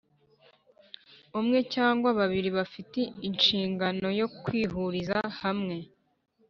umwe cyangwa babiri bafite inshingano yo kwihuriza hamwe